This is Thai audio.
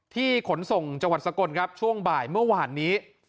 ขนส่งจังหวัดสกลครับช่วงบ่ายเมื่อวานนี้